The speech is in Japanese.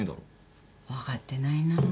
分かってないな。